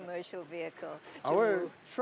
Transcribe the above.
pernahkah pelanggan kita bergantung